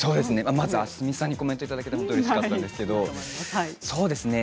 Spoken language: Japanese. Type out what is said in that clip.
まず明日海さんにコメントをいただいてうれしかったんですけどそうですね。